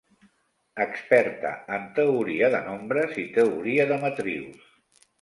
Experta en Teoria de Nombres i Teoria de Matrius.